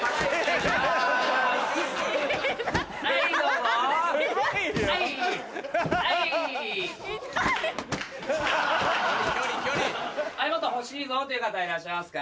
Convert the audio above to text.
もっと欲しいぞっていう方いらっしゃいますか？